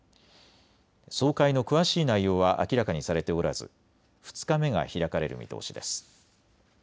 総会の詳しい内容は明らかにされておらず２日目が開かれる見通しです。